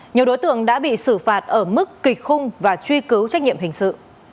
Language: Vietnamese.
nhiều đối tượng đã bị xử phạt ở mức kịch khung và truy cứu trách nhiệm hình sự